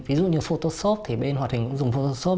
ví dụ như photoshop thì bên hoạt hình cũng dùng phot